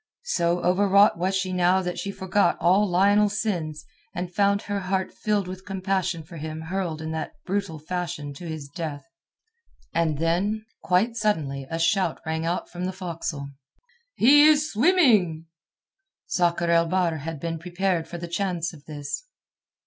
So overwrought was she now that she forgot all Lionel's sins, and found her heart filled with compassion for him hurled in that brutal fashion to his death. And then, quite suddenly a shout rang out from the forecastle. "He is swimming!" Sakr el Bahr had been prepared for the chance of this.